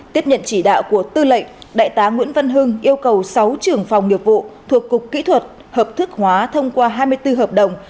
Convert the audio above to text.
tiếp nhận chỉ đạo của tư lệnh đại tá nguyễn văn hưng yêu cầu sáu trưởng phòng nghiệp vụ thuộc cục kỹ thuật hợp thức hóa thông qua hai mươi bốn hợp đồng